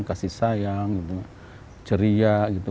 kasih sayang ceria gitu